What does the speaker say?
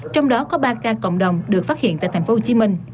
trong đó có ba ca cộng đồng được phát hiện tại tp hcm